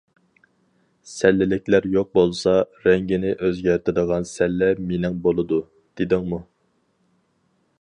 سەللىلىكلەر يوق بولسا، رەڭگىنى ئۆزگەرتىدىغان سەللە مېنىڭ بولىدۇ، دېدىڭمۇ.